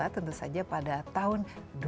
tentu saja pada tahun dua ribu dua puluh satu